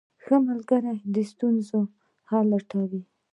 ښه ملګری د ستونزو حل لټوي.